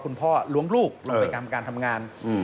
คุณพ่อล้วงลูกลงไปทำการทำงาน